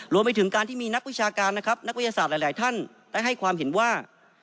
รวมไปถึงการที่มีนักวิชาการนะครับนักวิทยาศาสตร์หลายท่านได้ให้ความเห็นว่า